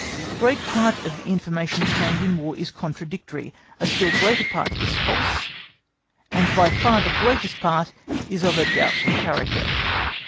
Great part of the information obtained in War is contradictory, a still greater part is false, and by far the greatest part is of a doubtful character.